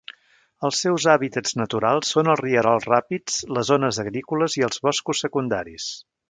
Els seus hàbitats naturals són els rierols ràpids, les zones agrícoles i els boscos secundaris.